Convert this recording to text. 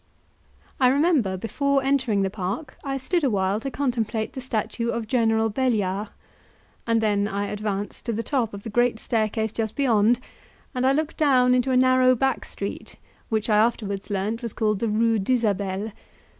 I remember, before entering the park, I stood awhile to contemplate the statue of General Belliard, and then I advanced to the top of the great staircase just beyond, and I looked down into a narrow back street, which I afterwards learnt was called the Rue d'Isabelle.